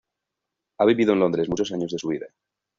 Ha vivido en Londres muchos años de su vida.